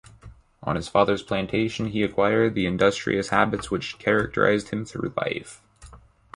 On his father's plantation he acquired the industrious habits which characterized him through life.